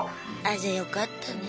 じゃあよかったね。